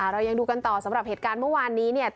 เรายังดูกันต่อสำหรับเหตุการณ์เมื่อวานนี้เนี่ย